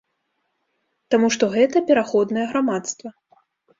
Таму што гэта пераходнае грамадства.